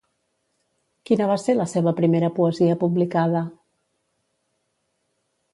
Quina va ser la seva primera poesia publicada?